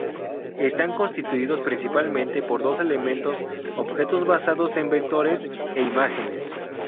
Están constituidos principalmente por dos elementos: objetos basados en vectores e imágenes.